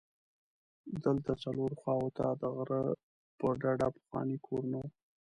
دلته څلورو خواوو ته د غره په ډډه پخواني کورونه وو.